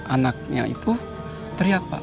anaknya itu teriak pak